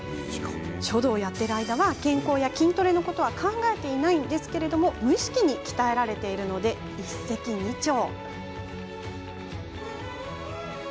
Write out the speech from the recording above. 書道をやっている間は健康や筋トレのことは考えてないのですが無意識に鍛えられるので一石二鳥。